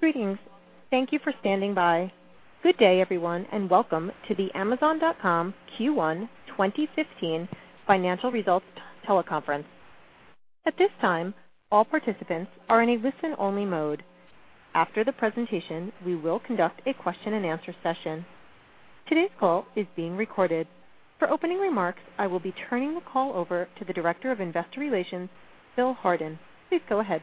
Greetings. Thank you for standing by. Good day, everyone, and welcome to the Amazon.com Q1 2015 financial results teleconference. At this time, all participants are in a listen-only mode. After the presentation, we will conduct a question and answer session. Today's call is being recorded. For opening remarks, I will be turning the call over to the Director of Investor Relations, Phil Hardin. Please go ahead.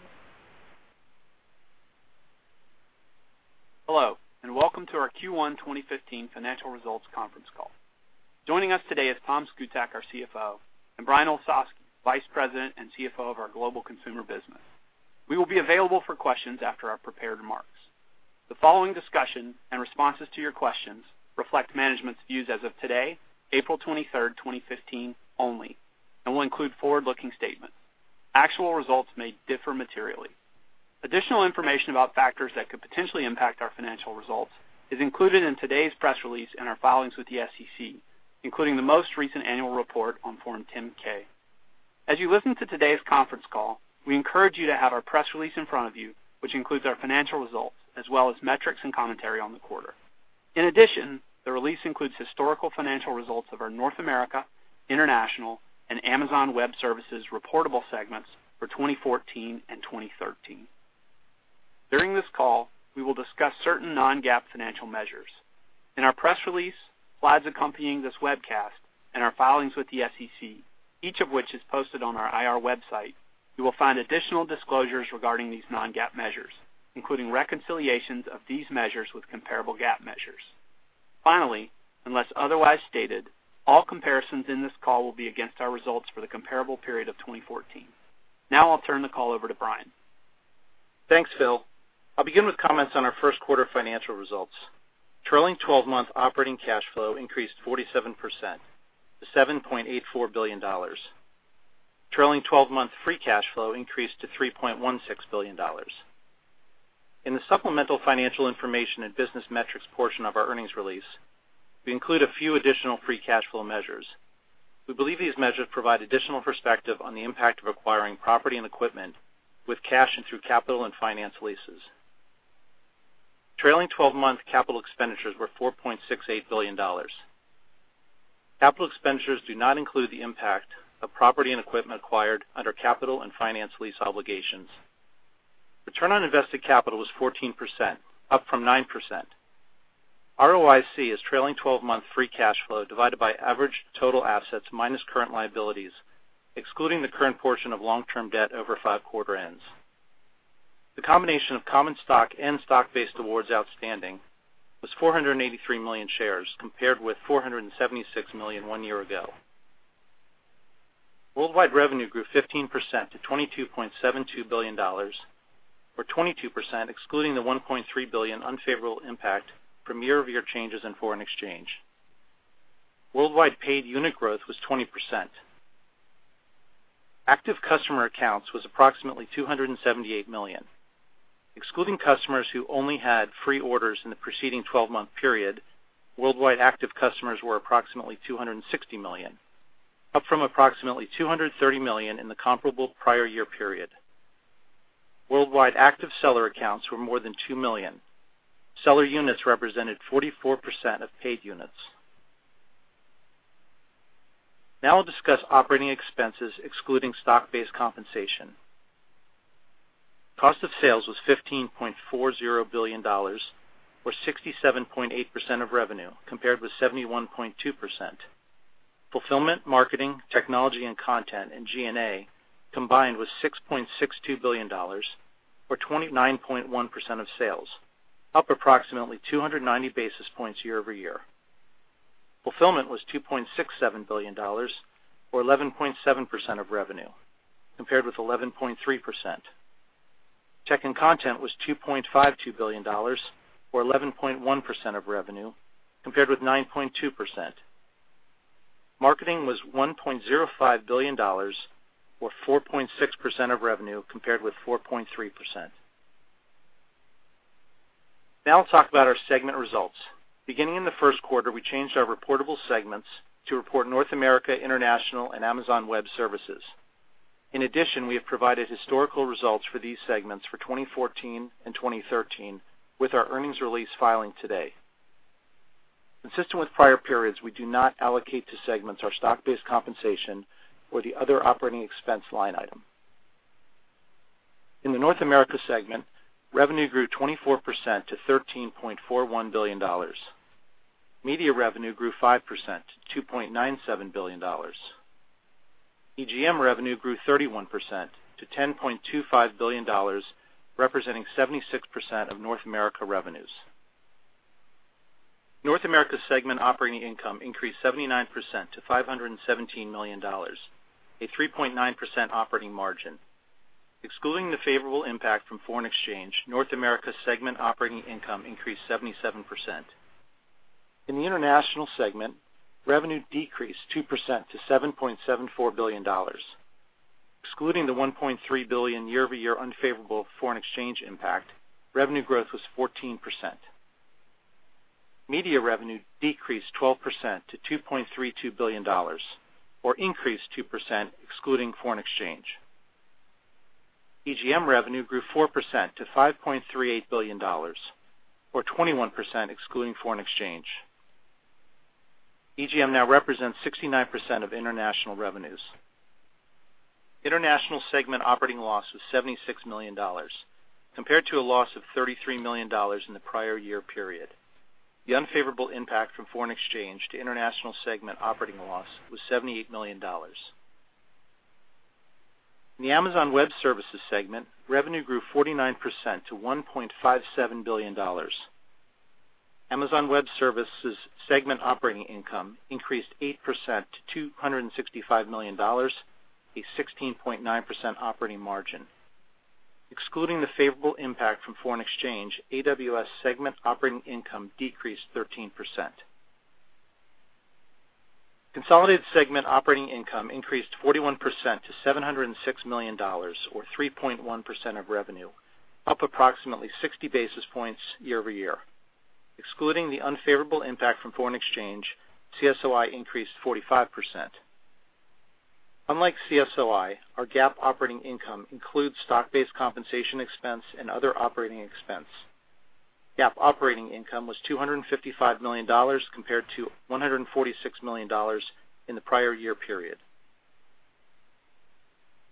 Hello. Welcome to our Q1 2015 financial results conference call. Joining us today is Tom Szkutak, our CFO, and Brian Olsavsky, Vice President and CFO of our global consumer business. We will be available for questions after our prepared remarks. The following discussion and responses to your questions reflect management's views as of today, April 23rd, 2015, only, and will include forward-looking statements. Actual results may differ materially. Additional information about factors that could potentially impact our financial results is included in today's press release in our filings with the SEC, including the most recent annual report on Form 10-K. As you listen to today's conference call, we encourage you to have our press release in front of you, which includes our financial results as well as metrics and commentary on the quarter. In addition, the release includes historical financial results of our North America, International, and Amazon Web Services reportable segments for 2014 and 2013. During this call, we will discuss certain non-GAAP financial measures. In our press release, slides accompanying this webcast, and our filings with the SEC, each of which is posted on our IR website, you will find additional disclosures regarding these non-GAAP measures, including reconciliations of these measures with comparable GAAP measures. Finally, unless otherwise stated, all comparisons in this call will be against our results for the comparable period of 2014. I'll turn the call over to Brian. Thanks, Phil. I'll begin with comments on our first quarter financial results. Trailing 12-month operating cash flow increased 47%, to $7.84 billion. Trailing 12-month free cash flow increased to $3.16 billion. In the supplemental financial information and business metrics portion of our earnings release, we include a few additional free cash flow measures. We believe these measures provide additional perspective on the impact of acquiring property and equipment with cash and through capital and finance leases. Trailing 12-month capital expenditures were $4.68 billion. Capital expenditures do not include the impact of property and equipment acquired under capital and finance lease obligations. Return on invested capital was 14%, up from 9%. ROIC is trailing 12-month free cash flow divided by average total assets minus current liabilities, excluding the current portion of long-term debt over five quarter ends. The combination of common stock and stock-based awards outstanding was 483 million shares, compared with 476 million one year ago. Worldwide revenue grew 15% to $22.72 billion, or 22% excluding the $1.3 billion unfavorable impact from year-over-year changes in foreign exchange. Worldwide paid unit growth was 20%. Active customer accounts was approximately 278 million. Excluding customers who only had free orders in the preceding 12-month period, worldwide active customers were approximately 260 million, up from approximately 230 million in the comparable prior year period. Worldwide active seller accounts were more than two million. Seller units represented 44% of paid units. I'll discuss operating expenses excluding stock-based compensation. Cost of sales was $15.40 billion, or 67.8% of revenue, compared with 71.2%. Fulfillment, marketing, technology and content, and G&A combined was $6.62 billion, or 29.1% of sales, up approximately 290 basis points year-over-year. Fulfillment was $2.67 billion, or 11.7% of revenue, compared with 11.3%. Tech and content was $2.52 billion, or 11.1% of revenue, compared with 9.2%. Marketing was $1.05 billion, or 4.6% of revenue, compared with 4.3%. I'll talk about our segment results. Beginning in the first quarter, we changed our reportable segments to report North America, International, and Amazon Web Services. In addition, we have provided historical results for these segments for 2014 and 2013 with our earnings release filing today. Consistent with prior periods, we do not allocate to segments our stock-based compensation or the other operating expense line item. In the North America segment, revenue grew 24% to $13.41 billion. Media revenue grew 5% to $2.97 billion. EGM revenue grew 31% to $10.25 billion, representing 76% of North America revenues. North America segment operating income increased 79% to $517 million, a 3.9% operating margin. Excluding the favorable impact from foreign exchange, North America segment operating income increased 77%. In the International segment, revenue decreased 2% to $7.74 billion. Excluding the $1.3 billion year-over-year unfavorable foreign exchange impact, revenue growth was 14%. Media revenue decreased 12% to $2.32 billion, or increased 2% excluding foreign exchange. EGM revenue grew 4% to $5.38 billion, or 21% excluding foreign exchange. EGM now represents 69% of International revenues. International segment operating loss was $76 million, compared to a loss of $33 million in the prior year period. The unfavorable impact from foreign exchange to International segment operating loss was $78 million. In the Amazon Web Services segment, revenue grew 49% to $1.57 billion. Amazon Web Services segment operating income increased 8% to $265 million, a 16.9% operating margin. Excluding the favorable impact from foreign exchange, AWS segment operating income decreased 13%. Consolidated segment operating income increased 41% to $706 million, or 3.1% of revenue, up approximately 60 basis points year-over-year. Excluding the unfavorable impact from foreign exchange, CSOI increased 45%. Unlike CSOI, our GAAP operating income includes stock-based compensation expense and other operating expense. GAAP operating income was $255 million compared to $146 million in the prior year period.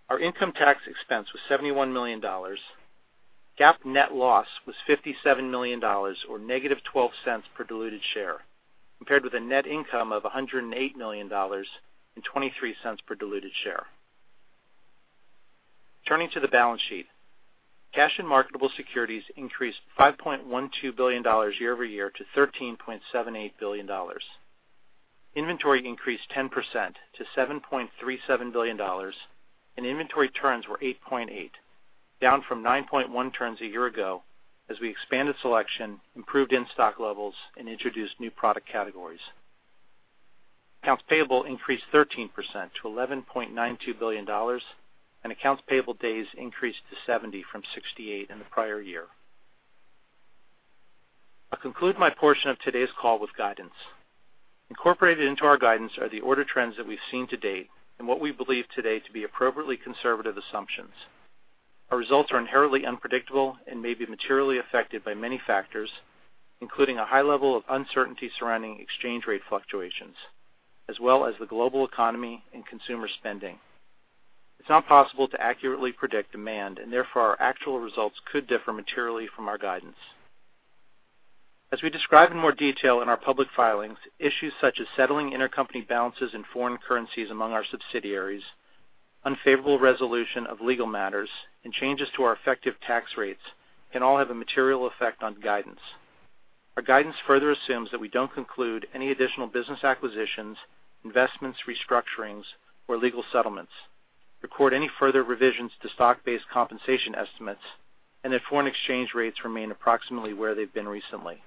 Our income tax expense was $71 million. GAAP net loss was $57 million, or negative $0.12 per diluted share, compared with a net income of $108 million and $0.23 per diluted share. Turning to the balance sheet. Cash and marketable securities increased $5.12 billion year-over-year to $13.78 billion. Inventory increased 10% to $7.37 billion, and inventory turns were 8.8, down from 9.1 turns a year ago, as we expanded selection, improved in-stock levels, and introduced new product categories. Accounts payable increased 13% to $11.92 billion, and accounts payable days increased to 70 from 68 in the prior year. I'll conclude my portion of today's call with guidance. Incorporated into our guidance are the order trends that we've seen to date and what we believe today to be appropriately conservative assumptions. Our results are inherently unpredictable and may be materially affected by many factors, including a high level of uncertainty surrounding exchange rate fluctuations, as well as the global economy and consumer spending. It's not possible to accurately predict demand, and therefore, our actual results could differ materially from our guidance. As we describe in more detail in our public filings, issues such as settling intercompany balances in foreign currencies among our subsidiaries, unfavorable resolution of legal matters, and changes to our effective tax rates can all have a material effect on guidance. Our guidance further assumes that we don't conclude any additional business acquisitions, investments, restructurings, or legal settlements, record any further revisions to stock-based compensation estimates, and that foreign exchange rates remain approximately where they've been recently.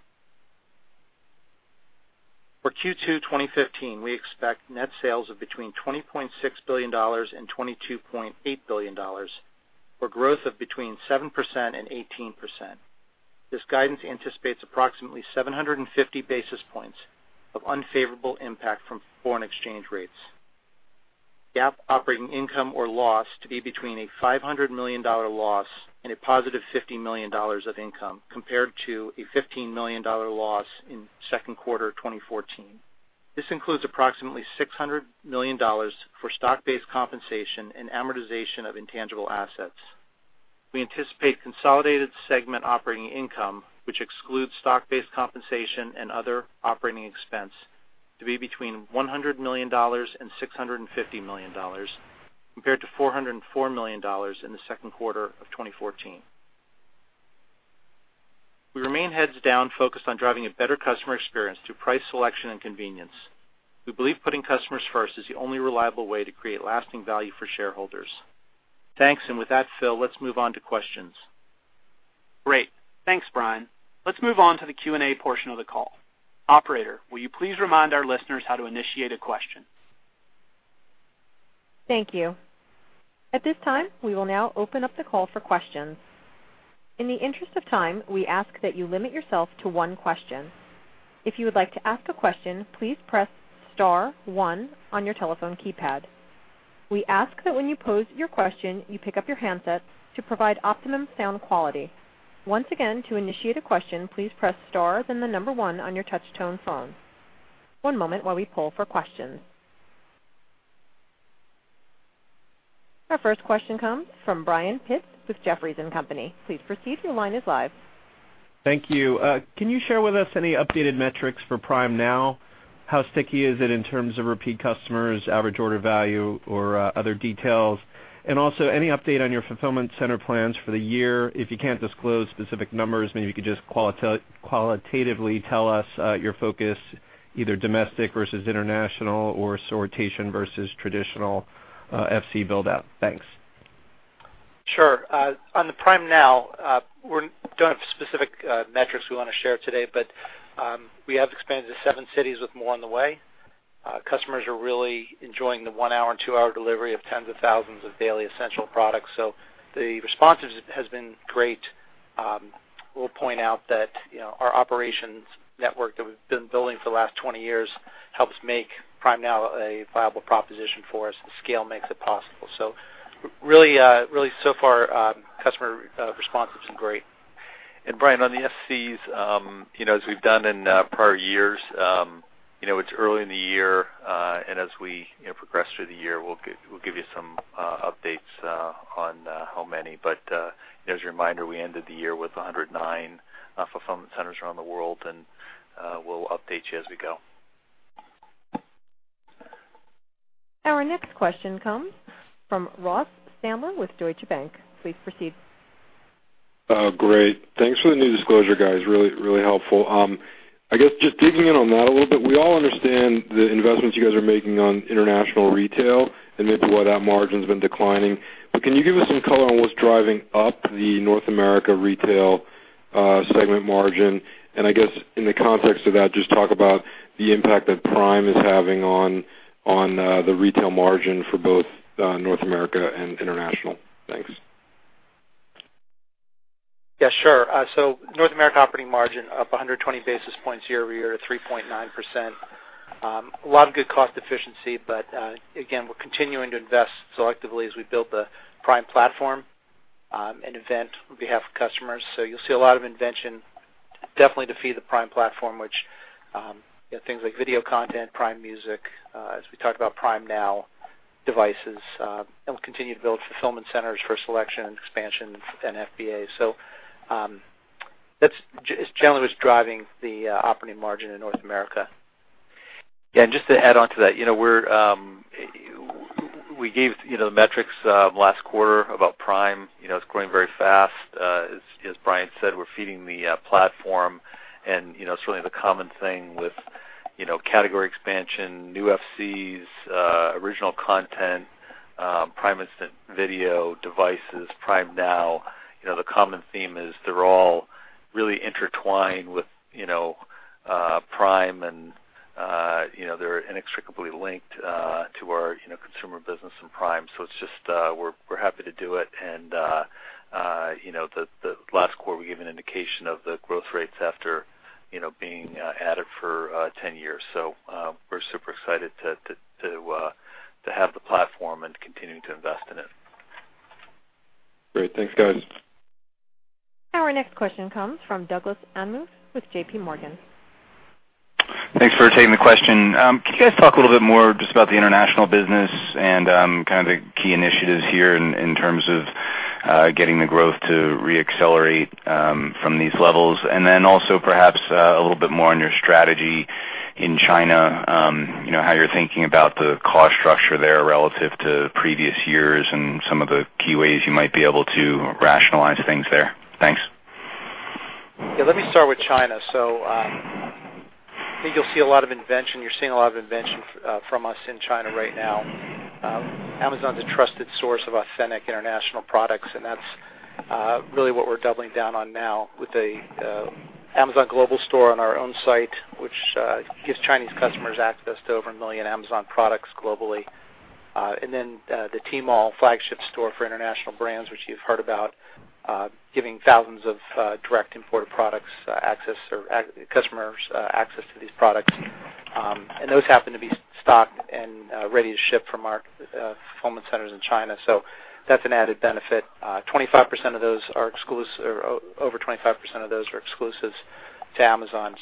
For Q2 2015, we expect net sales of between $20.6 billion and $22.8 billion, or growth of between 7% and 18%. This guidance anticipates approximately 750 basis points of unfavorable impact from foreign exchange rates. GAAP operating income or loss to be between a $500 million loss and a positive $50 million of income compared to a $15 million loss in second quarter of 2014. This includes approximately $600 million for stock-based compensation and amortization of intangible assets. We anticipate consolidated segment operating income, which excludes stock-based compensation and other operating expense, to be between $100 million and $650 million, compared to $404 million in the second quarter of 2014. We remain heads down focused on driving a better customer experience through price, selection, and convenience. We believe putting customers first is the only reliable way to create lasting value for shareholders. Thanks. With that, Phil, let's move on to questions. Great. Thanks, Brian. Let's move on to the Q&A portion of the call. Operator, will you please remind our listeners how to initiate a question? Thank you. At this time, we will now open up the call for questions. In the interest of time, we ask that you limit yourself to one question. If you would like to ask a question, please press star one on your telephone keypad. We ask that when you pose your question, you pick up your handsets to provide optimum sound quality. Once again, to initiate a question, please press star, then the number one on your touch-tone phone. One moment while we poll for questions. Our first question comes from Brian Pitz with Jefferies & Company. Please proceed. Your line is live. Thank you. Can you share with us any updated metrics for Prime Now? How sticky is it in terms of repeat customers, average order value, or other details? Also, any update on your fulfillment center plans for the year? If you can't disclose specific numbers, maybe you could just qualitatively tell us your focus, either domestic versus international or sortation versus traditional FC build-out. Thanks. Sure. On the Prime Now, we don't have specific metrics we want to share today, but we have expanded to 7 cities with more on the way. Customers are really enjoying the one-hour and two-hour delivery of tens of thousands of daily essential products. The response has been great. We'll point out that our operations network that we've been building for the last 20 years helps make Prime Now a viable proposition for us, and scale makes it possible. Really so far, customer response has been great. Brian, on the FCs, as we've done in prior years, it's early in the year, and as we progress through the year, we'll give you some updates on how many. As a reminder, we ended the year with 109 fulfillment centers around the world, and we'll update you as we go. Our next question comes from Ross Sandler with Deutsche Bank. Please proceed. Great. Thanks for the new disclosure, guys, really helpful. I guess just digging in on that a little bit, we all understand the investments you guys are making on international retail and maybe why that margin's been declining. Can you give us some color on what's driving up the North America retail segment margin? I guess in the context of that, just talk about the impact that Prime is having on the retail margin for both North America and international. Thanks. Yeah, sure. North America operating margin up 120 basis points year-over-year to 3.9%. A lot of good cost efficiency, but again, we're continuing to invest selectively as we build the Prime platform and invent on behalf of customers. You'll see a lot of invention definitely to feed the Prime platform, which things like video content, Prime Music, as we talk about Prime Now, devices, and we'll continue to build fulfillment centers for selection and expansion and FBA. That's generally what's driving the operating margin in North America. Yeah, and just to add onto that, we gave the metrics last quarter about Prime. It's growing very fast. As Brian said, we're feeding the platform, and it's really the common thing with category expansion, new FCs, original content, Prime Instant Video, devices, Prime Now. The common theme is they're all really intertwined with Prime, and they're inextricably linked to our consumer business and Prime. We're happy to do it, and last quarter we gave an indication of the growth rates after being at it for 10 years. We're super excited to have the platform and continuing to invest in it. Great. Thanks, guys. Our next question comes from Doug Anmuth with J.P. Morgan. Thanks for taking the question. Can you guys talk a little bit more just about the international business and kind of the key initiatives here in terms of getting the growth to re-accelerate from these levels? Then also perhaps a little bit more on your strategy in China, how you're thinking about the cost structure there relative to previous years and some of the key ways you might be able to rationalize things there. Thanks. Yeah, let me start with China. I think you'll see a lot of invention. You're seeing a lot of invention from us in China right now. Amazon's a trusted source of authentic international products, and that's really what we're doubling down on now with the Amazon Global Store on our own site, which gives Chinese customers access to over 1 million Amazon products globally. Then the Tmall flagship store for international brands, which you've heard about, giving thousands of direct imported products access or customers access to these products. Those happen to be stocked and ready to ship from our fulfillment centers in China. That's an added benefit. Over 25% of those are exclusives to Amazon.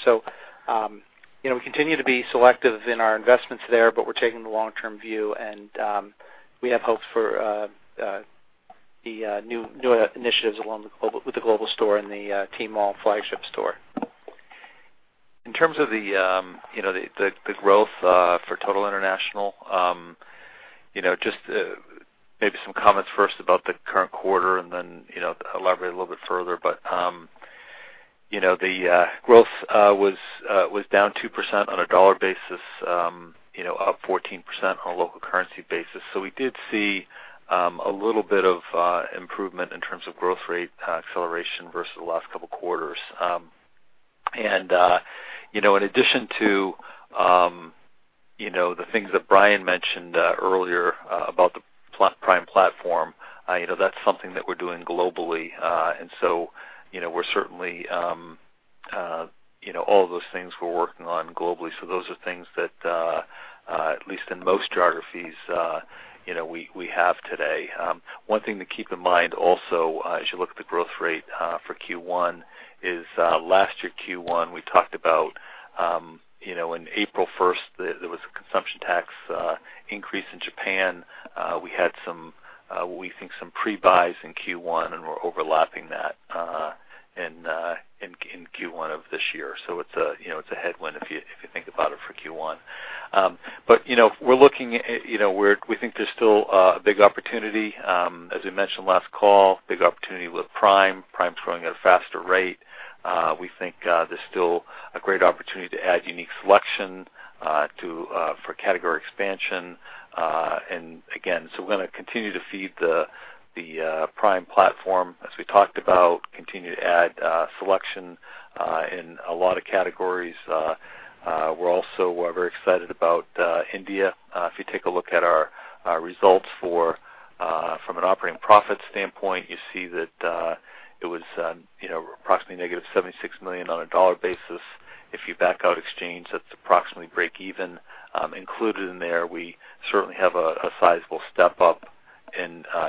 We continue to be selective in our investments there, but we're taking the long-term view, and we have hopes for the new initiatives with the Global Store and the Tmall flagship store. In terms of the growth for total international, just maybe some comments first about the current quarter and then elaborate a little bit further. The growth was down 2% on a dollar basis, up 14% on a local currency basis. We did see a little bit of improvement in terms of growth rate acceleration versus the last couple of quarters. In addition to the things that Brian mentioned earlier about the Prime platform, that's something that we're doing globally. All of those things we're working on globally. Those are things that, at least in most geographies we have today. One thing to keep in mind also as you look at the growth rate for Q1 is last year Q1, we talked about on April 1st, there was a consumption tax increase in Japan. We had what we think some pre-buys in Q1, and we're overlapping that in Q1 of this year. It's a headwind if you think about it for Q1. We think there's still a big opportunity. As we mentioned last call, big opportunity with Prime. Prime's growing at a faster rate. We think there's still a great opportunity to add unique selection for category expansion. We're going to continue to feed the Prime platform, as we talked about, continue to add selection in a lot of categories. We're also very excited about India. If you take a look at our results from an operating profit standpoint, you see that it was approximately negative $76 million on a dollar basis. If you back out exchange, that's approximately break even. Included in there, we certainly have a sizable step-up in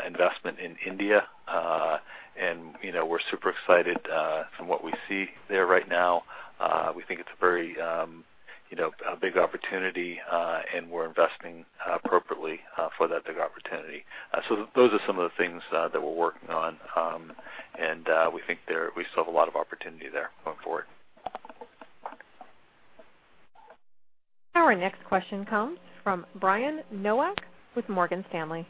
investment in India, and we're super excited from what we see there right now. We think it's a very big opportunity, and we're investing appropriately for that big opportunity. Those are some of the things that we're working on. We think we still have a lot of opportunity there going forward. Our next question comes from Brian Nowak with Morgan Stanley.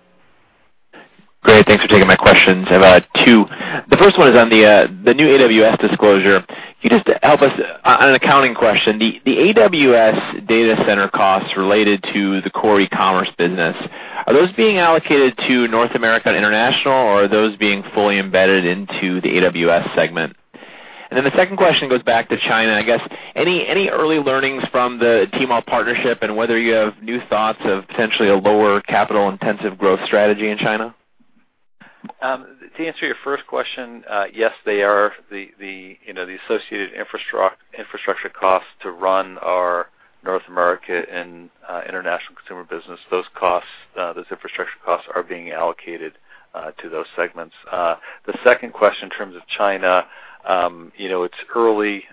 Great. Thanks for taking my questions. I have two. The first one is on the new AWS disclosure. Can you just help us on an accounting question, the AWS data center costs related to the core e-commerce business, are those being allocated to North America and International, or are those being fully embedded into the AWS segment? The second question goes back to China. I guess, any early learnings from the Tmall partnership and whether you have new thoughts of potentially a lower capital-intensive growth strategy in China? To answer your first question, yes, they are. The associated infrastructure costs to run our North America and International Consumer business, those infrastructure costs are being allocated to those segments. The second question, in terms of China, it's early.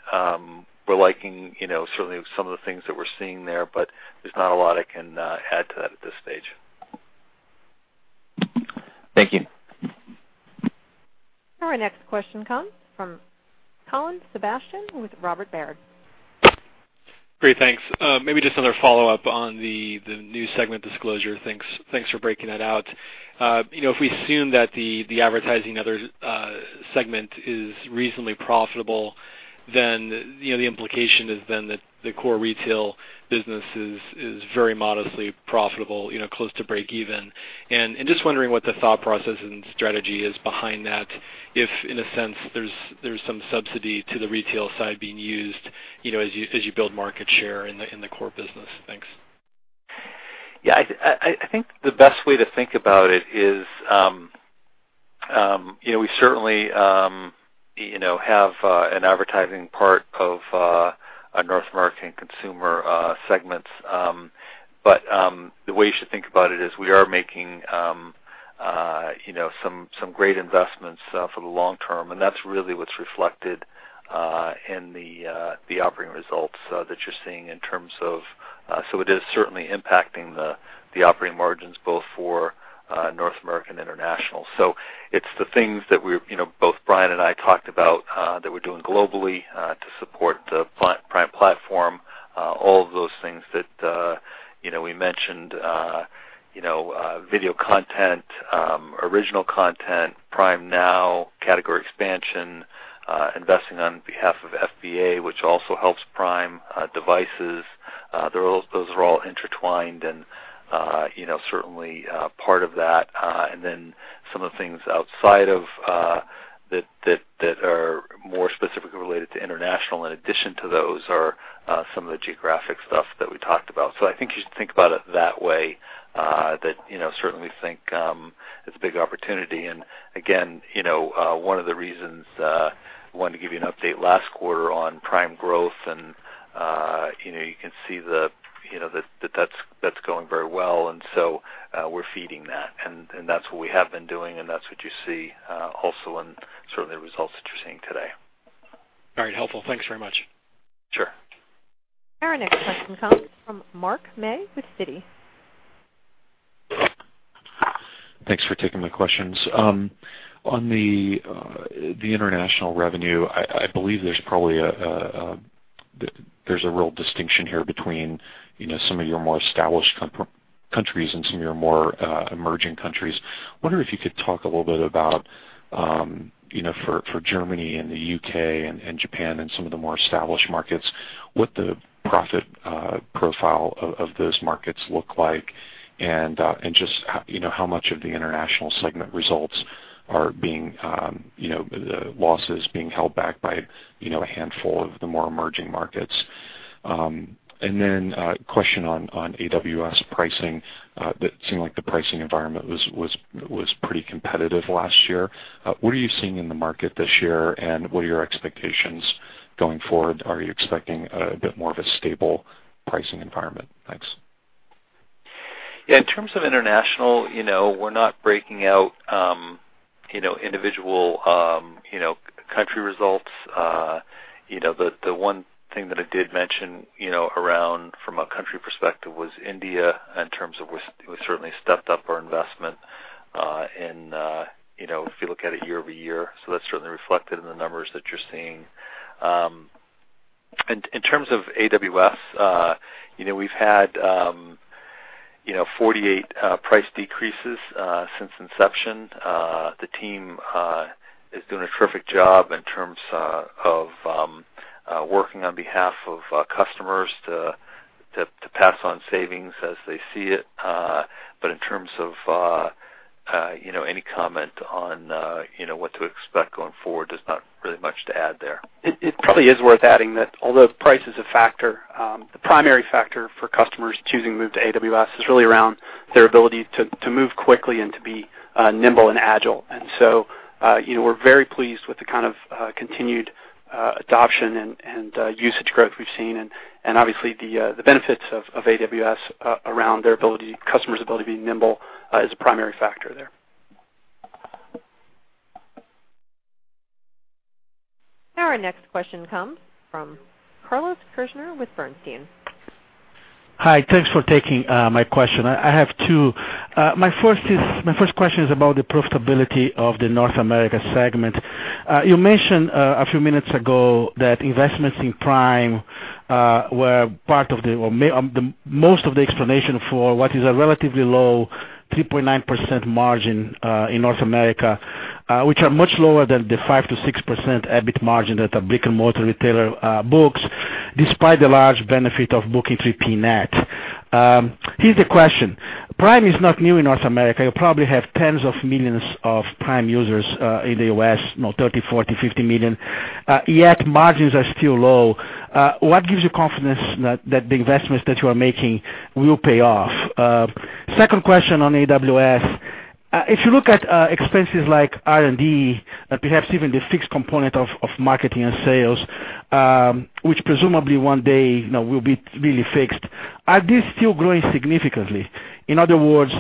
We're liking certainly some of the things that we're seeing there, but there's not a lot I can add to that at this stage. Thank you. Our next question comes from Colin Sebastian with Robert Baird. Great. Thanks. Maybe just another follow-up on the new segment disclosure. Thanks for breaking that out. If we assume that the Advertising and Other segment is reasonably profitable, then the implication is then that the core retail business is very modestly profitable, close to break even. Just wondering what the thought process and strategy is behind that, if in a sense there's some subsidy to the retail side being used as you build market share in the core business. Thanks. Yeah. I think the best way to think about it is, we certainly have an advertising part of our North American Consumer segments. The way you should think about it is we are making some great investments for the long term, and that's really what's reflected in the operating results that you're seeing. It is certainly impacting the operating margins both for North American International. It's the things that both Brian and I talked about that we're doing globally to support the Prime platform, all of those things that we mentioned, video content, original content, Prime Now, category expansion, investing on behalf of FBA, which also helps Prime devices. Those are all intertwined and certainly part of that. Then some of the things outside of that are more specifically related to international in addition to those are some of the geographic stuff that we talked about. I think you should think about it that way, that certainly we think it's a big opportunity. Again, one of the reasons I wanted to give you an update last quarter on Prime growth, you can see that that's going very well. So we're feeding that, and that's what we have been doing, and that's what you see also in certainly the results that you're seeing today. Very helpful. Thanks very much. Sure. Our next question comes from Mark May with Citi. Thanks for taking my questions. On the international revenue, I believe there's a real distinction here between some of your more established countries and some of your more emerging countries. Wondering if you could talk a little bit about, for Germany and the U.K. and Japan and some of the more established markets, what the profit profile of those markets look like, and just how much of the international segment results, the losses being held back by a handful of the more emerging markets. A question on AWS pricing, that seemed like the pricing environment was pretty competitive last year. What are you seeing in the market this year, and what are your expectations going forward? Are you expecting a bit more of a stable pricing environment? Thanks. Yeah. In terms of international, we're not breaking out individual country results. The one thing that I did mention around from a country perspective was India in terms of we certainly stepped up our investment if you look at it year-over-year. That's certainly reflected in the numbers that you're seeing. In terms of AWS, we've had 48 price decreases since inception. The team is doing a terrific job in terms of working on behalf of customers to pass on savings as they see it. Any comment on what to expect going forward? There's not really much to add there. It probably is worth adding that although price is a factor, the primary factor for customers choosing to move to AWS is really around their ability to move quickly and to be nimble and agile. We're very pleased with the kind of continued adoption and usage growth we've seen. Obviously the benefits of AWS around customers' ability to be nimble is a primary factor there. Our next question comes from Carlos Kirjner with Bernstein. Hi. Thanks for taking my question. I have two. My first question is about the profitability of the North America segment. You mentioned a few minutes ago that investments in Prime were most of the explanation for what is a relatively low 3.9% margin in North America, which are much lower than the 5%-6% EBIT margin that a brick-and-mortar retailer books, despite the large benefit of booking 3P net. Here's the question. Prime is not new in North America. You probably have tens of millions of Prime users in the U.S., 30 million, 40 million, 50 million, yet margins are still low. What gives you confidence that the investments that you are making will pay off? Second question on AWS. If you look at expenses like R&D, perhaps even the fixed component of marketing and sales, which presumably one day will be really fixed, are these still growing significantly? In other words,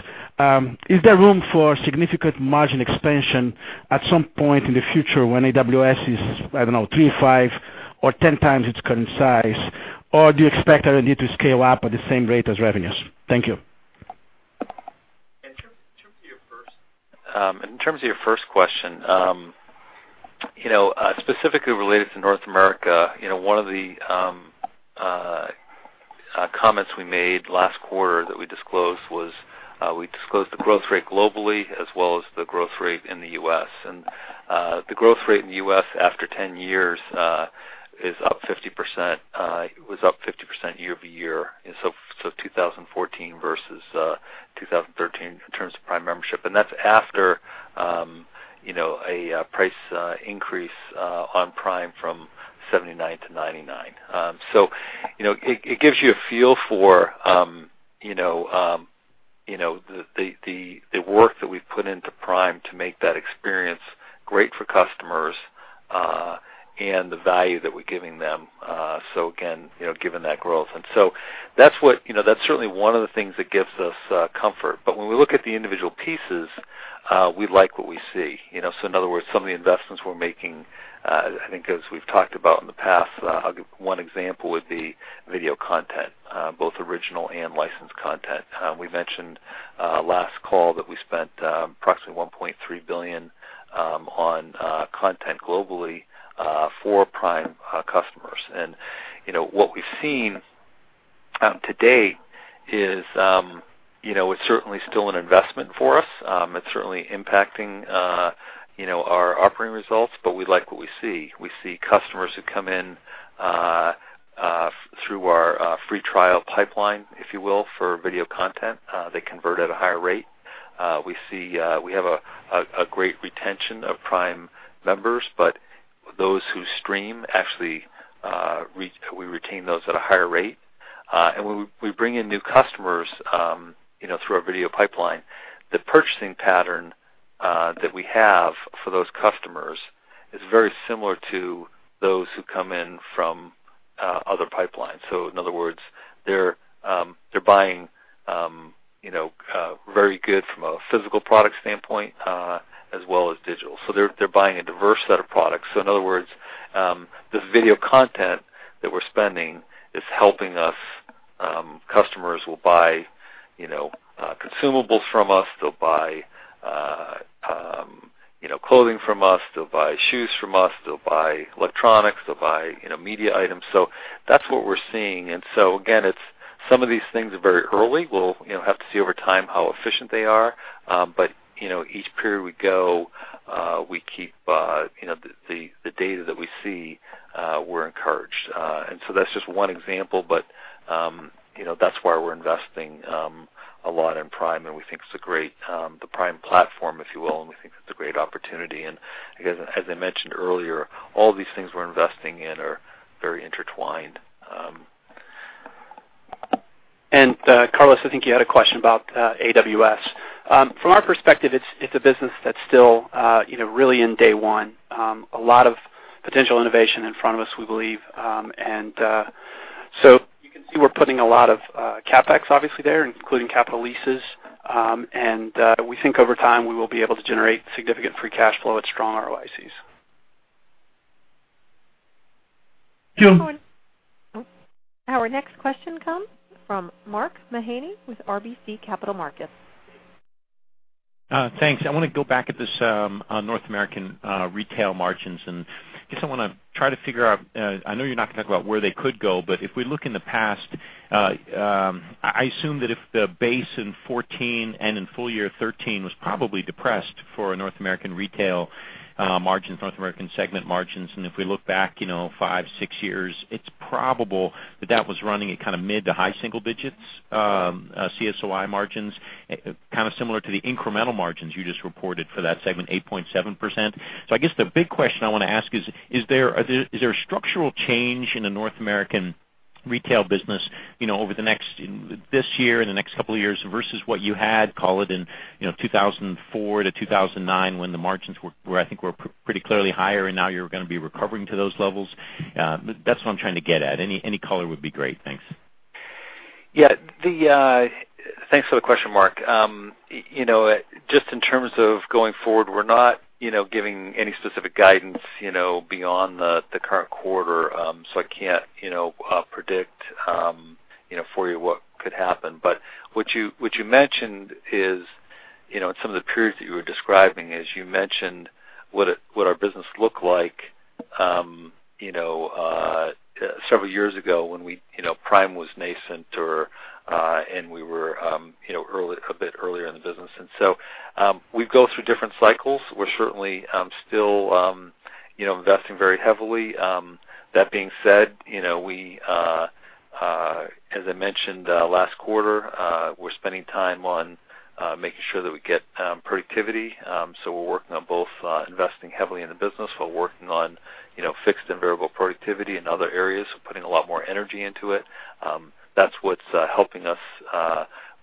is there room for significant margin expansion at some point in the future when AWS is, I don't know, three, five, or 10 times its current size? Do you expect it only to scale up at the same rate as revenues? Thank you. In terms of your first question, specifically related to North America, one of the comments we made last quarter that we disclosed was, we disclosed the growth rate globally as well as the growth rate in the U.S. The growth rate in the U.S. after 10 years was up 50% year-over-year, so 2014 versus 2013 in terms of Prime membership. That's after a price increase on Prime from $79 to $99. It gives you a feel for the work that we've put into Prime to make that experience great for customers, and the value that we're giving them, again, given that growth. That's certainly one of the things that gives us comfort. When we look at the individual pieces, we like what we see. In other words, some of the investments we're making, I think as we've talked about in the past, I'll give 1 example would be video content, both original and licensed content. We mentioned last call that we spent approximately $1.3 billion on content globally for Prime customers. What we've seen to date is it's certainly still an investment for us. It's certainly impacting our operating results, we like what we see. We see customers who come in through our free trial pipeline, if you will, for video content. They convert at a higher rate. We have a great retention of Prime members, those who stream, actually, we retain those at a higher rate. When we bring in new customers through our video pipeline, the purchasing pattern that we have for those customers is very similar to those who come in from other pipelines. In other words, they're buying very good from a physical product standpoint, as well as digital. They're buying a diverse set of products. In other words, this video content that we're spending is helping us. Customers will buy consumables from us, they'll buy clothing from us, they'll buy shoes from us, they'll buy electronics, they'll buy media items. That's what we're seeing. Again, some of these things are very early. We'll have to see over time how efficient they are. Each period we go, the data that we see, we're encouraged. That's just 1 example, that's why we're investing a lot in Prime, we think it's a great, the Prime platform, if you will, we think it's a great opportunity. Again, as I mentioned earlier, all these things we're investing in are very intertwined. Carlos, I think you had a question about AWS. From our perspective, it's a business that's still really in day 1. A lot of potential innovation in front of us, we believe. You can see we're putting a lot of CapEx obviously there, including capital leases. We think over time, we will be able to generate significant free cash flow at strong ROICs. Thank you. Our next question comes from Mark Mahaney with RBC Capital Markets. Thanks. I want to go back at this North American retail margins. I guess I want to try to figure out, I know you're not going to talk about where they could go, but if we look in the past, I assume that if the base in 2014 and in full year 2013 was probably depressed for North American retail margins, North American segment margins. If we look back five, six years, it's probable that that was running at kind of mid to high single digits CSOI margins, kind of similar to the incremental margins you just reported for that segment, 8.7%. I guess the big question I want to ask is there a structural change in the North American retail business over this year and the next couple of years versus what you had, call it in 2004 to 2009, when the margins were, I think, pretty clearly higher. Now you're going to be recovering to those levels. That's what I'm trying to get at. Any color would be great. Thanks. Yeah. Thanks for the question, Mark. Just in terms of going forward, we're not giving any specific guidance beyond the current quarter, so I can't predict for you what could happen. What you mentioned is, in some of the periods that you were describing, as you mentioned, what our business looked like several years ago when Prime was nascent and we were a bit earlier in the business. We go through different cycles. We're certainly still investing very heavily. That being said, as I mentioned last quarter, we're spending time on making sure that we get productivity. We're working on both investing heavily in the business while working on fixed and variable productivity in other areas. We're putting a lot more energy into it. That's what's helping us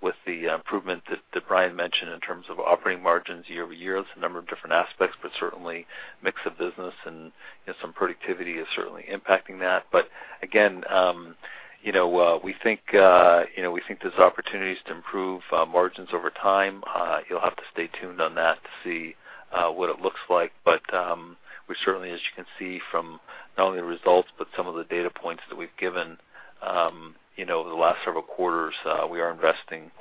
with the improvement that Brian mentioned in terms of operating margins year-over-year. There's a number of different aspects, but certainly mix of business and some productivity is certainly impacting that. Again, we think there's opportunities to improve margins over time. You'll have to stay tuned on that to see what it looks like. We certainly, as you can see from not only the results, but some of the data points that we've given over the last several quarters, we are investing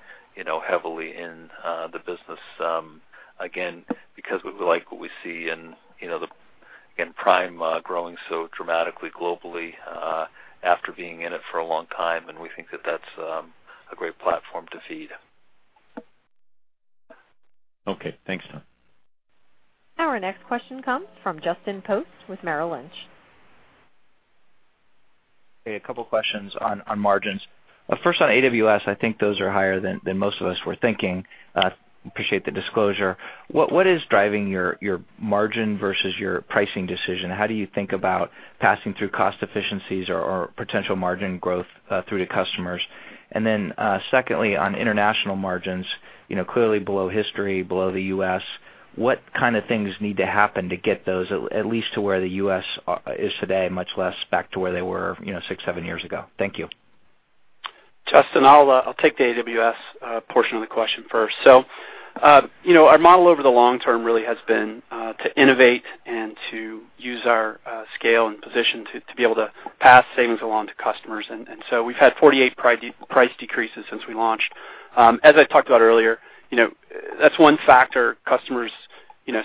heavily in the business, again, because we like what we see in Prime growing so dramatically globally after being in it for a long time, and we think that that's a great platform to feed. Okay, thanks. Our next question comes from Justin Post with Merrill Lynch. Hey, a couple questions on margins. First on AWS, I think those are higher than most of us were thinking. Appreciate the disclosure. What is driving your margin versus your pricing decision? How do you think about passing through cost efficiencies or potential margin growth through to customers? Secondly, on international margins, clearly below history, below the U.S., what kind of things need to happen to get those at least to where the U.S. is today, much less back to where they were six, seven years ago? Thank you. Justin, I'll take the AWS portion of the question first. Our model over the long term really has been to innovate and to use our scale and position to be able to pass savings along to customers. We've had 48 price decreases since we launched. As I talked about earlier, that's one factor. Customers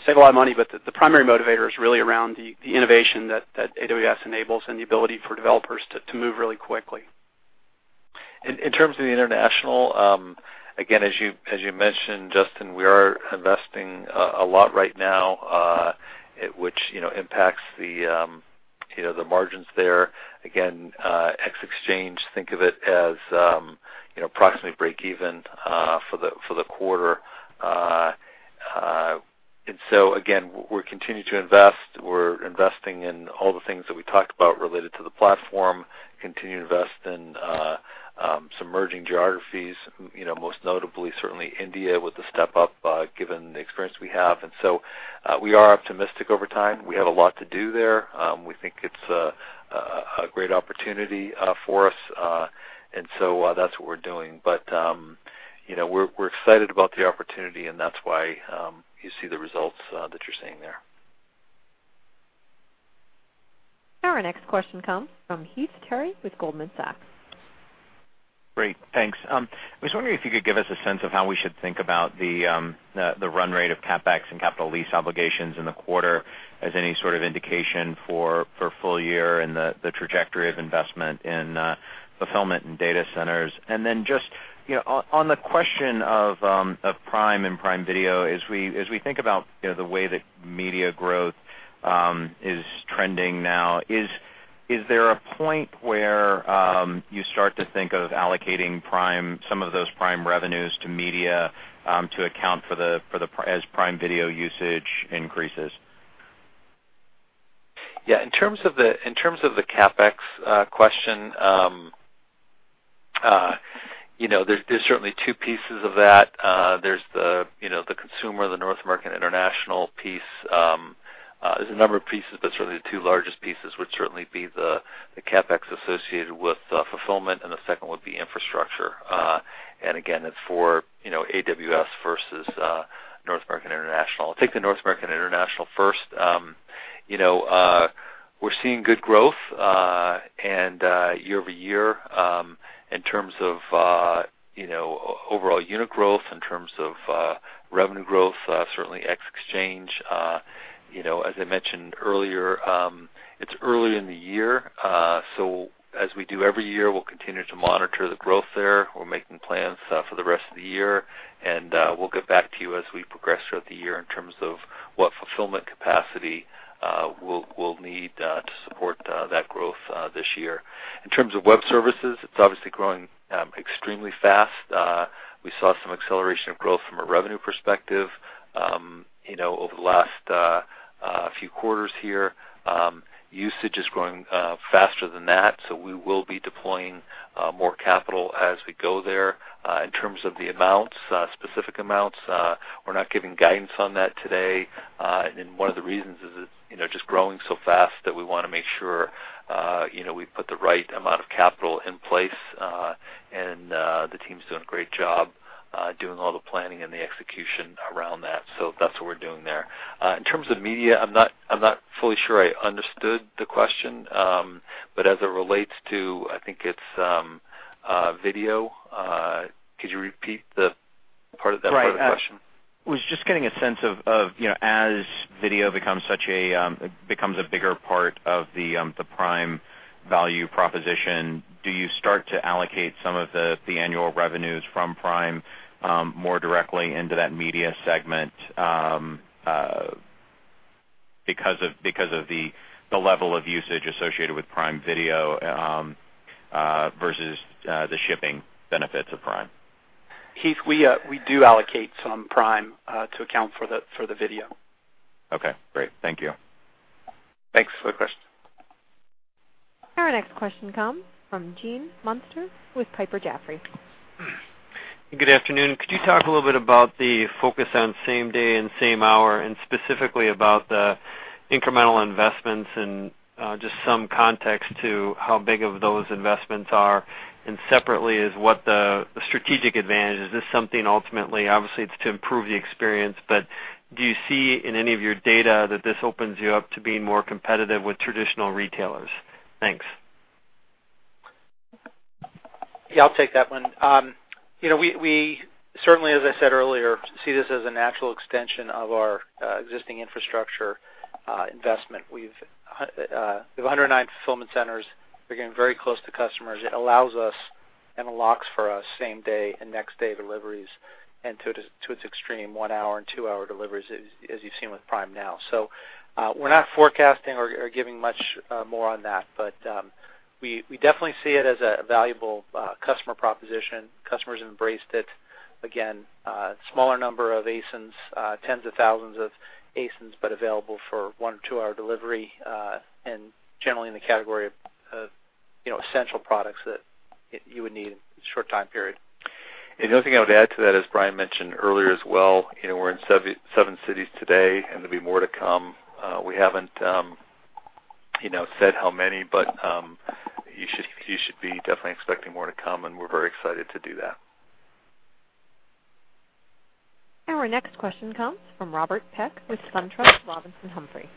save a lot of money, but the primary motivator is really around the innovation that AWS enables and the ability for developers to move really quickly. In terms of the international, again, as you mentioned, Justin, we are investing a lot right now, which impacts the margins there. Again, ex exchange, think of it as approximately breakeven for the quarter. Again, we're continuing to invest. We're investing in all the things that we talked about related to the platform, continue to invest in some emerging geographies, most notably certainly India with the step-up given the experience we have. We are optimistic over time. We have a lot to do there. We think it's a great opportunity for us, that's what we're doing. We're excited about the opportunity, and that's why you see the results that you're seeing there. Our next question comes from Heath Terry with Goldman Sachs. Great. Thanks. I was wondering if you could give us a sense of how we should think about the run rate of CapEx and capital lease obligations in the quarter as any sort of indication for full year and the trajectory of investment in fulfillment and data centers. On the question of Prime and Prime Video, as we think about the way that media growth is trending now, is there a point where you start to think of allocating some of those Prime revenues to media to account as Prime Video usage increases? Yeah. In terms of the CapEx question, there's certainly two pieces of that. There's the consumer, the North American international piece. There's a number of pieces, but certainly the two largest pieces would certainly be the CapEx associated with fulfillment, and the second would be infrastructure. It's for AWS versus North American International. I'll take the North American International first. We're seeing good growth year-over-year in terms of overall unit growth, in terms of revenue growth, certainly ex exchange. As I mentioned earlier. It's early in the year, as we do every year, we'll continue to monitor the growth there. We're making plans for the rest of the year, we'll get back to you as we progress throughout the year in terms of what fulfillment capacity we'll need to support that growth this year. In terms of Web Services, it's obviously growing extremely fast. We saw some acceleration of growth from a revenue perspective over the last few quarters here. Usage is growing faster than that, we will be deploying more capital as we go there. In terms of the specific amounts, we're not giving guidance on that today. One of the reasons is it's just growing so fast that we want to make sure we put the right amount of capital in place. The team's doing a great job doing all the planning and the execution around that. That's what we're doing there. In terms of media, I'm not fully sure I understood the question, as it relates to, I think it's video, could you repeat that part of the question? Right. Was just getting a sense of, as video becomes a bigger part of the Prime value proposition, do you start to allocate some of the annual revenues from Prime more directly into that media segment because of the level of usage associated with Prime Video versus the shipping benefits of Prime? Heath, we do allocate some Prime to account for the video. Okay, great. Thank you. Thanks for the question. Our next question comes from Gene Munster with Piper Jaffray. Good afternoon. Could you talk a little bit about the focus on same-day and same-hour, specifically about the incremental investments and just some context to how big of those investments are? Separately, is what the strategic advantage, is this something ultimately, obviously, it's to improve the experience, but do you see in any of your data that this opens you up to being more competitive with traditional retailers? Thanks. Yeah, I'll take that one. We certainly, as I said earlier, see this as a natural extension of our existing infrastructure investment. We have 109 fulfillment centers. We're getting very close to customers. It allows us and unlocks for us same-day and next-day deliveries, and to its extreme, one-hour and two-hour deliveries, as you've seen with Prime Now. We're not forecasting or giving much more on that, but we definitely see it as a valuable customer proposition. Customers embraced it. Again, smaller number of ASINs, tens of thousands of ASINs, but available for one-to-two hour delivery, and generally in the category of essential products that you would need in a short time period. The only thing I would add to that, as Brian mentioned earlier as well, we're in seven cities today, and there'll be more to come. We haven't said how many, but you should be definitely expecting more to come, and we're very excited to do that. Our next question comes from Robert Peck with SunTrust Robinson Humphrey.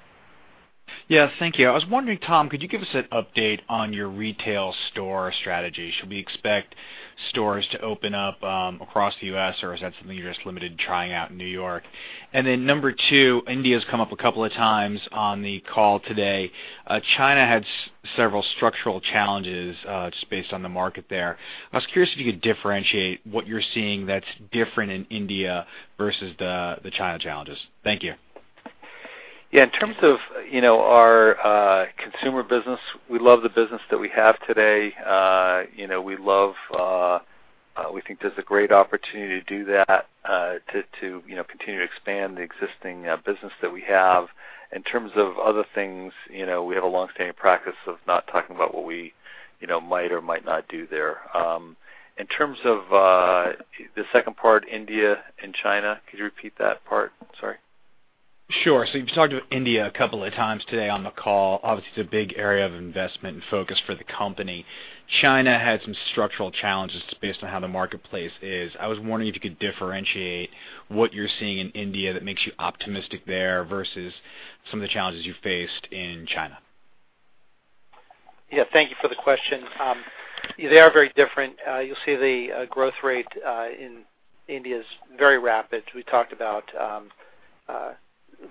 Yeah, thank you. I was wondering, Tom, could you give us an update on your retail store strategy? Should we expect stores to open up across the U.S., or is that something you're just limited in trying out in New York? Number two, India's come up a couple of times on the call today. China had several structural challenges just based on the market there. I was curious if you could differentiate what you're seeing that's different in India versus the China challenges. Thank you. Yeah, in terms of our consumer business, we love the business that we have today. We think there's a great opportunity to do that, to continue to expand the existing business that we have. In terms of other things, we have a long-standing practice of not talking about what we might or might not do there. In terms of the second part, India and China, could you repeat that part? Sorry. Sure. You've talked about India a couple of times today on the call. Obviously, it's a big area of investment and focus for the company. China had some structural challenges based on how the marketplace is. I was wondering if you could differentiate what you're seeing in India that makes you optimistic there versus some of the challenges you faced in China. Yeah. Thank you for the question. They are very different. You'll see the growth rate in India's very rapid. We talked about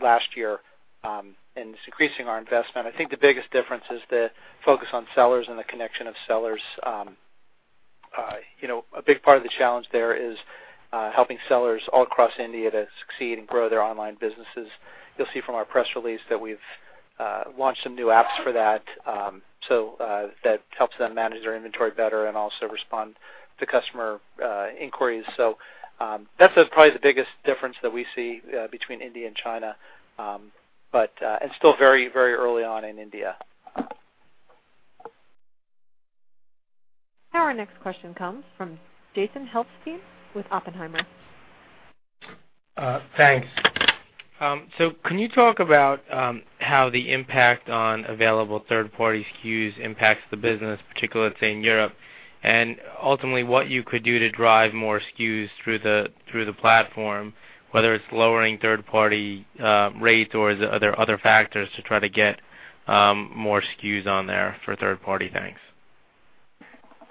last year, and it's increasing our investment. I think the biggest difference is the focus on sellers and the connection of sellers. A big part of the challenge there is helping sellers all across India to succeed and grow their online businesses. You'll see from our press release that we've launched some new apps for that, so that helps them manage their inventory better and also respond to customer inquiries. That's probably the biggest difference that we see between India and China. It's still very early on in India. Our next question comes from Jason Helfstein with Oppenheimer. Thanks. Can you talk about how the impact on available third-party SKUs impacts the business, particularly, let's say, in Europe, and ultimately what you could do to drive more SKUs through the platform, whether it's lowering third-party rates or are there other factors to try to get more SKUs on there for third party? Thanks.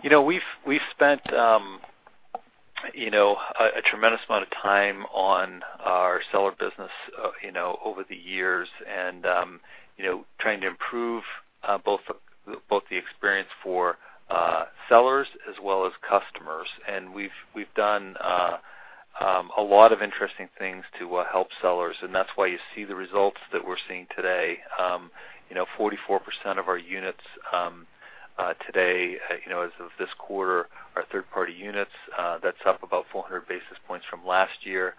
We've spent a tremendous amount of time on our seller business over the years and trying to improve both the experience for sellers as well as customers. We've done a lot of interesting things to help sellers, and that's why you see the results that we're seeing today. 44% of our units today as of this quarter are third-party units. That's up about 400 basis points from last year.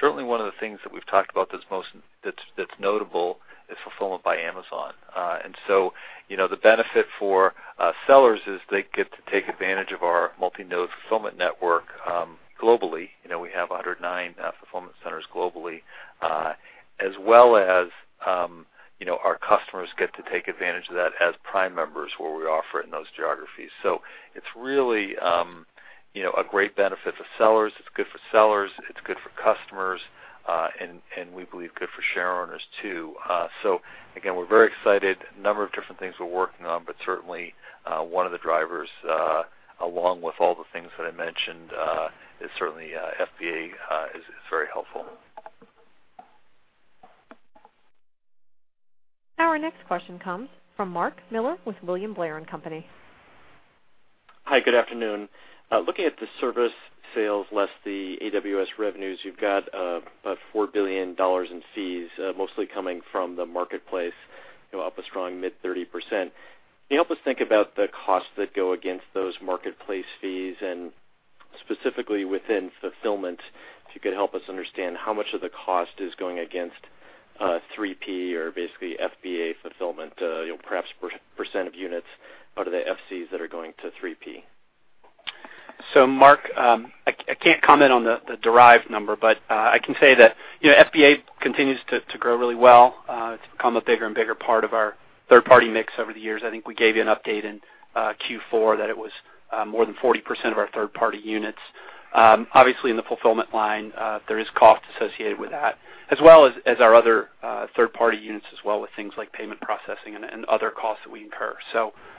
Certainly one of the things that we've talked about that's notable is Fulfillment by Amazon. The benefit for sellers is they get to take advantage of our multi-node fulfillment network globally. We have 109 fulfillment centers globally, as well as our customers get to take advantage of that as Prime members where we offer it in those geographies. It's really a great benefit to sellers. It's good for sellers, it's good for customers, and we believe good for shareowners too. Again, we're very excited. A number of different things we're working on, but certainly one of the drivers, along with all the things that I mentioned, is certainly FBA is very helpful. Our next question comes from Mark Miller with William Blair & Company. Hi, good afternoon. Looking at the service sales less the AWS revenues, you've got about $4 billion in fees, mostly coming from the marketplace, up a strong mid-30%. Can you help us think about the costs that go against those marketplace fees and specifically within fulfillment, if you could help us understand how much of the cost is going against 3P or basically FBA fulfillment, perhaps % of units out of the FCs that are going to 3P. Mark, I can't comment on the derived number, but I can say that FBA continues to grow really well. It's become a bigger and bigger part of our third-party mix over the years. I think we gave you an update in Q4 that it was more than 40% of our third-party units. Obviously, in the fulfillment line, there is cost associated with that, as well as our other third-party units as well, with things like payment processing and other costs that we incur.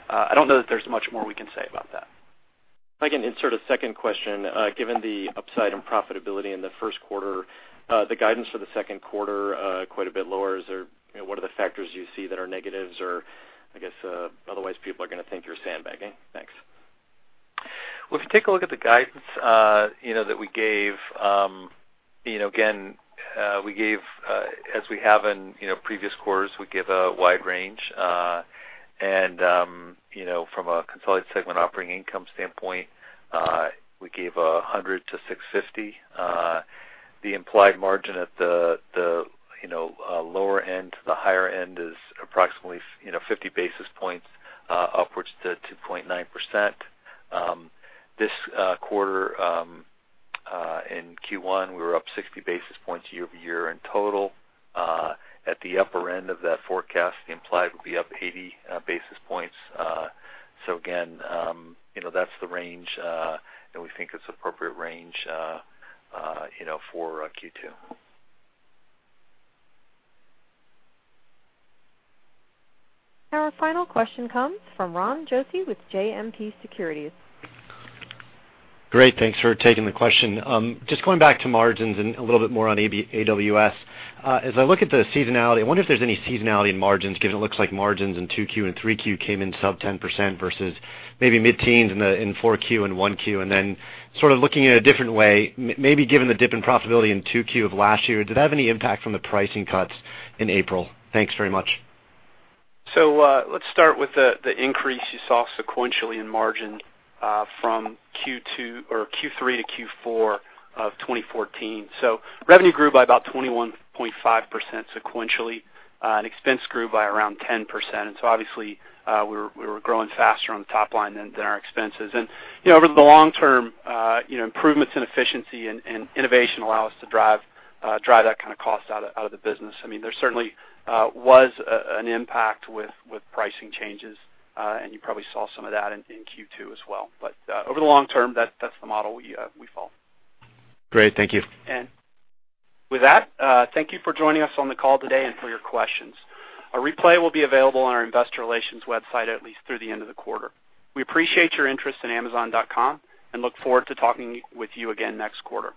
I don't know that there's much more we can say about that. If I can insert a second question, given the upside in profitability in the first quarter, the guidance for the second quarter, quite a bit lower. What are the factors you see that are negatives or I guess otherwise people are going to think you're sandbagging? Thanks. Well, if you take a look at the guidance that we gave, again, as we have in previous quarters, we give a wide range. From a consolidated segment operating income standpoint, we gave $100-$650. The implied margin at the lower end to the higher end is approximately 50 basis points upwards to 2.9%. This quarter, in Q1, we were up 60 basis points year-over-year in total. At the upper end of that forecast, the implied would be up 80 basis points. Again, that's the range, and we think it's appropriate range for Q2. Our final question comes from Ron Josey with JMP Securities. Great. Thanks for taking the question. Just going back to margins and a little bit more on AWS. As I look at the seasonality, I wonder if there's any seasonality in margins, given it looks like margins in 2Q and 3Q came in sub 10% versus maybe mid-teens in 4Q and 1Q. Then sort of looking at it a different way, maybe given the dip in profitability in 2Q of last year, did that have any impact from the pricing cuts in April? Thanks very much. Let's start with the increase you saw sequentially in margin from Q3 to Q4 of 2014. Revenue grew by about 21.5% sequentially, and expense grew by around 10%. Obviously, we were growing faster on the top line than our expenses. Over the long term, improvements in efficiency and innovation allow us to drive that kind of cost out of the business. There certainly was an impact with pricing changes, and you probably saw some of that in Q2 as well. Over the long term, that's the model we follow. Great. Thank you. With that, thank you for joining us on the call today and for your questions. A replay will be available on our investor relations website at least through the end of the quarter. We appreciate your interest in Amazon.com and look forward to talking with you again next quarter.